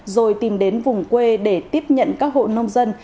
rồi tìm đến vùng quê để tiếp nhận các hộ nông dân